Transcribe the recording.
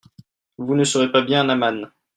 vous ne serez pas bien amañ.